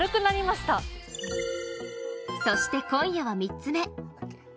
そして今夜は３つ目。